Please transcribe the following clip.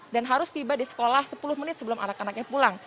dan harus tiba di sekolah sepuluh menit sebelum anak anaknya pulang